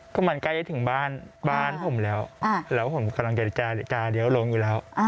ก็มันใกล้จะถึงบ้านบ้านผมแล้วแล้วผมกำลังจะเลี้ยวลงอยู่แล้ว